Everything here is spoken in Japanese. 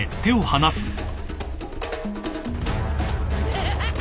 アハハハ！